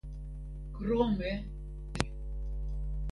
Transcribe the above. Krome estas naturaj lokoj.